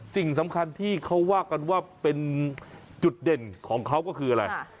สิ่งสำคัญที่เขาว่ากันว่าเป็นจุดเด่นของเขาก็คืออะไร